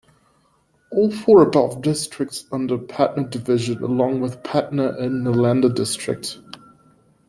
All four above districts falls under Patna Division along with Patna and Nalanda District.